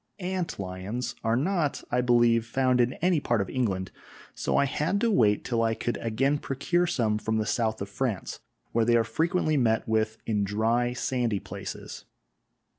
Ant lions are not, I believe, found in any part of England, so I had to wait till I could again procure some from the south of France, where they are frequently met with in dry, sandy places.